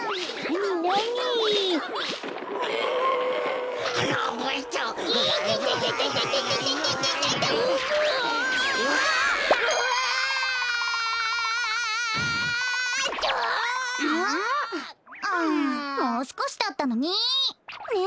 もうすこしだったのにね。